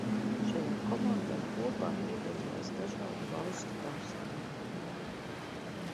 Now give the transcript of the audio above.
Šajā komandā kopā piedalījās dažādu valstu pārstāvji.